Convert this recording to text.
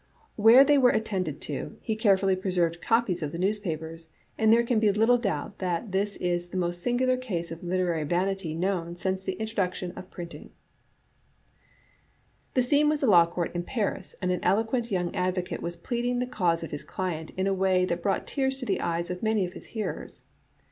Where they were attended to, he carefully preserved copies of the newspapers, and there can be little doubt that this is the most singular case of literary vanity known since the introduction of printing," " The scene was a law court in Paris, and an eloquent young advocate was pleading the cause of his client in a way that brought tears to the eyes of many of his Digitized by VjOOQ IC xTiil S* A* 3Battfe* hearers.